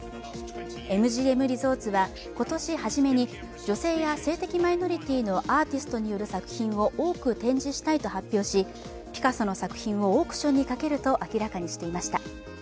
ＭＧＭリゾーツは今年初めに女性や性的マイノリティーのアーティストによる作品を多く展示したいと発表しピカソの作品をオークションにかけると明らかにしていました。